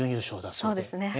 そうですね。